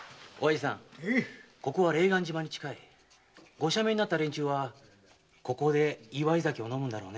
ご赦免になった連中はここで祝い酒を飲むんだろうね？